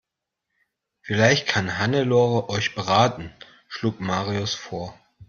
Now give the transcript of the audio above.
Vielleicht kann Hannelore euch beraten, schlug Marius vor.